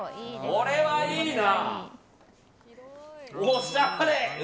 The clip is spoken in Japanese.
これはいいな。